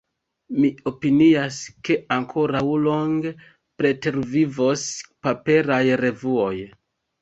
Mi opinias ke ankoraŭ longe pretervivos paperaj revuoj.